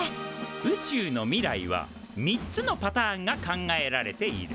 宇宙の未来は３つのパターンが考えられている。